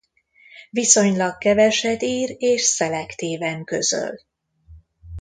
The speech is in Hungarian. Viszonylag keveset ír és szelektíven közöl.